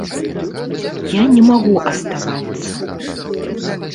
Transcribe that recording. Я не магу аставацца.